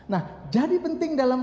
nah jadi penting dalam